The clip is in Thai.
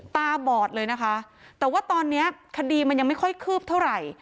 ตาบอดเลยนะคะแต่ว่าตอนนี้คดีมันยังไม่ค่อยคืบเท่าไหร่